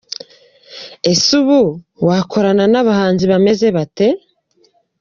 Ese ubu wakorana n’abahanzi bameze bate?.